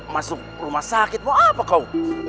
masuk rumah sakit mau apa kau